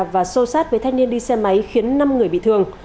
và xô sát với thanh niên đi xe máy khiến năm người bị thương